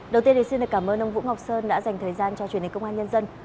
đầu tiên thì xin cảm ơn ông vũ ngọc sơn đã dành thời gian cho truyền hình công an nhân dân